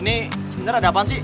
ini sebenernya ada apaan sih